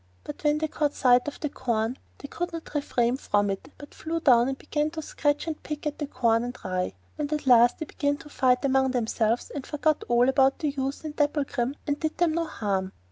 But when they caught sight of the corn they could not refrain from it, but flew down and began to scratch and pick at the corn and rye, and at last they began to fight among themselves, and forgot all about the youth and Dapplegrim, and did them no harm.